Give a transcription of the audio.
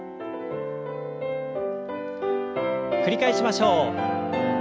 繰り返しましょう。